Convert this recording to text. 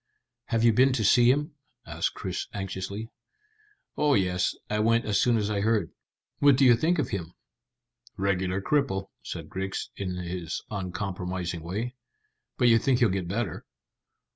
"Have you been to see him?" asked Chris anxiously. "Oh yes; I went as soon as I heard." "What do you think of him?" "Regular cripple," said Griggs, in his uncompromising way. "But you think he'll get better?"